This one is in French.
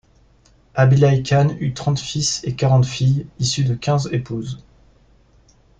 Abylaï Khan eut trente fils et quarante filles, issus de quinze épouses.